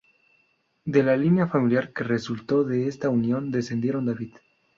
De la línea familiar que resultó de esta unión descendieron David.